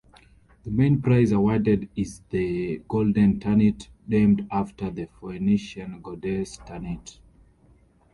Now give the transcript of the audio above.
The main prize awarded is the Golden Tanit named after the Phoenician goddess Tanit.